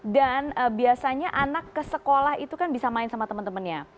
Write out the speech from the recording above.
dan biasanya anak ke sekolah itu kan bisa main sama teman temannya